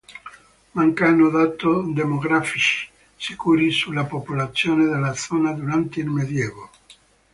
Mancano dato demografici sicuri sulla popolazione della zona durante il Medioevo.